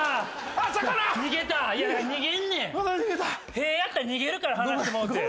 屁やったら逃げるからはなしてもうて。